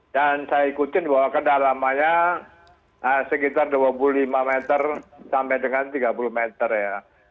dan saya ikutin bahwa kedalamannya sekitar dua puluh lima meter sampai dengan tiga puluh meter ya